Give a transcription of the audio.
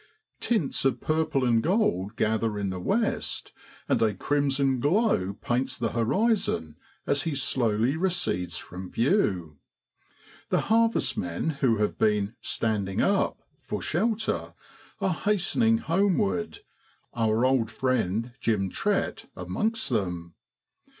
Tints of purple and gold gather in the west, and a crimson glow paints the horizon as he slowly recedes from view. The harvestmen, who have been 1 standing up' for shelter, are hastening homeward, our old friend Jem Trett amongst them.